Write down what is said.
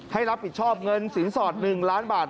ให้รับผิดชอบเงินสินสอด๑ล้านบาท